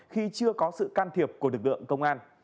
khi chưa có sự can thiệp của lực lượng công an